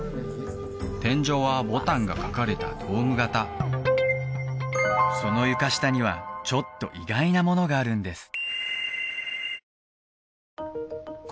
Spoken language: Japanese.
天井は牡丹が描かれたドーム形その床下にはちょっと意外なものがあるんです